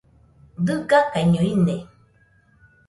Dɨga ikaiño ine